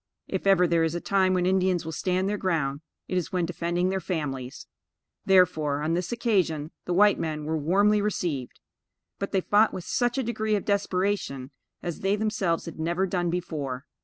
If ever there is a time when Indians will stand their ground, it is when defending their families; therefore, on this occasion, the white men were warmly received; but, they fought with such a degree of desperation, as they themselves had never done before.